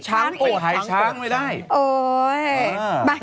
ช้างโป่ชัก